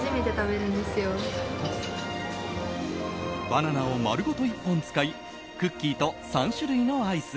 バナナを丸ごと１本使いクッキーと３種類のアイス